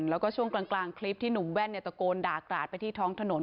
แล้วก็ช่วงกลางคลิปที่หนุ่มแว่นตะโกนด่ากราดไปที่ท้องถนน